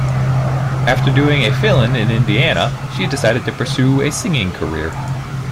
After doing a fill-in in Indiana, she decided to pursue a singing career.